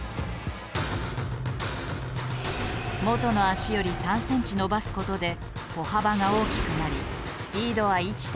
元の足より３センチ伸ばすことで歩幅が大きくなりスピードは１．３倍。